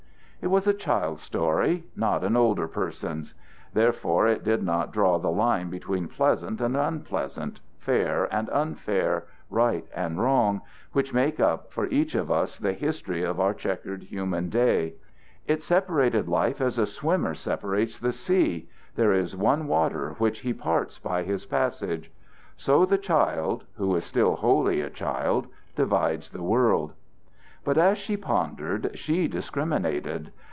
It was a child's story, not an older person's. Therefore it did not draw the line between pleasant and unpleasant, fair and unfair, right and wrong, which make up for each of us the history of our checkered human day. It separated life as a swimmer separates the sea: there is one water which he parts by his passage. So the child, who is still wholly a child, divides the world. But as she pondered, she discriminated.